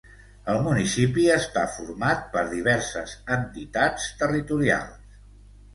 El municipi està format per diverses entitats territorials.